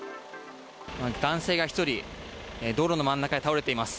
男性が１人道路の真ん中に倒れています。